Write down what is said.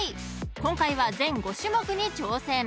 ［今回は全５種目に挑戦］